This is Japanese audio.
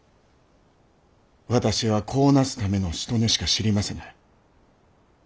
私は子をなすためのしとねしか知りませぬ。